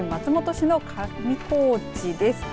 市の上高地です。